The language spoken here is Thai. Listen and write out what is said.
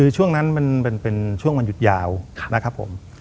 ช่วงนั้นมันเป็นช่วงวันหยุดยาวนะครับผม